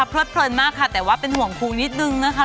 เพลิดเพลินมากค่ะแต่ว่าเป็นห่วงครูนิดนึงนะคะ